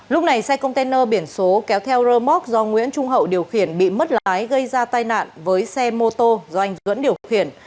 lúc này xe container biển số kéo theo rơ móc do nguyễn trung hậu điều khiển bị mất lái gây ra tai nạn với xe mô tô do anh duẫn điều khiển